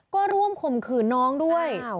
ก็ร่วมข่มขืนน้องด้วย